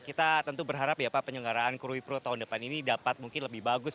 kita tentu berharap ya pak penyelenggaraan krui pro tahun depan ini dapat mungkin lebih bagus